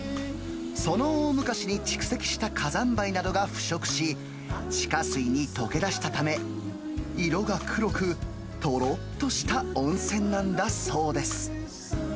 その大昔に蓄積した火山灰などが腐食し、地下水に溶けだしたため、色が黒く、とろっとした温泉なんだそうです。